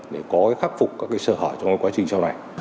để có khắc phục các sơ hở trong quá trình sau này